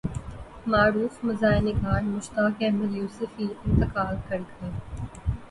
معروف مزاح نگار مشتاق احمد یوسفی انتقال کرگئے